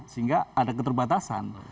sehingga ada keterbatasan